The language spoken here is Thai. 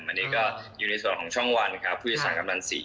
อันนี้ก็ก็อยู่ในส่วนของช่องวันค่ะผู้โยชน์ษรรย์กำลังสี